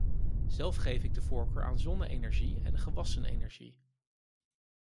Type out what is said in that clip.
Zelf geef ik de voorkeur aan zonne-energie en gewassenenergie.